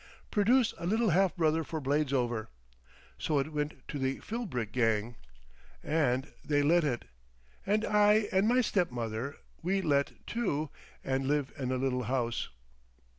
"Produce a little half brother for Bladesover. So it went to the Phillbrick gang. And they let it! And I and my step mother—we let, too. And live in a little house."